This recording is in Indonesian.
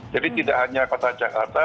jadi tidak hanya kota jakarta